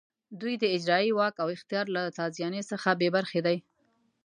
دوی د اجرایې واک او اختیار له تازیاني څخه بې برخې دي.